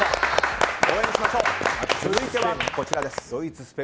続いては、こちらです。